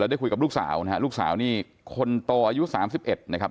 ได้คุยกับลูกสาวนะฮะลูกสาวนี่คนโตอายุสามสิบเอ็ดนะครับ